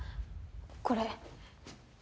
これ。